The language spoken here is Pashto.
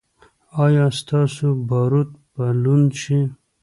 ایا ستاسو باروت به لوند شي؟